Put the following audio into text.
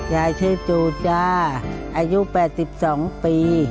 ยายชื่อจูจ้าอายุ๘๒ปี